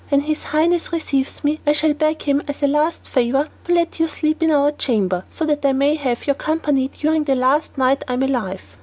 When his Highness receives me, I shall beg him, as a last favour, to let you sleep in our chamber, so that I may have your company during the last night I am alive.